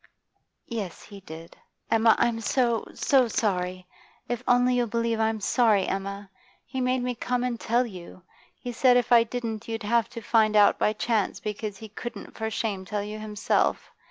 'Yes, he did. Emma, I'm so, so sorry! If only you'll believe I'm sorry, Emma! He made me come and tell you. He said if I didn't you'd have to find out by chance, because he couldn't for shame tell you himself.